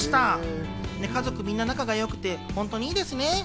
みんな仲が良くて、本当にいいですね。